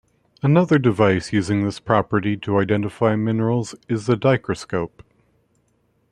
Another device using this property to identify minerals is the dichroscope.